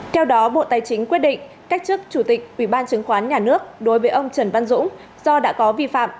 theo đó bộ tài chính quyết định cách chức chủ tịch ubnd đối với ông trần văn dũng do đã có vi phạm